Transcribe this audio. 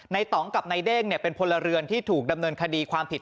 ต่องกับนายเด้งเป็นพลเรือนที่ถูกดำเนินคดีความผิด